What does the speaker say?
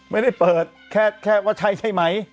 ไม่ได้เปิดแค่ว่าใช่ใช่ไหม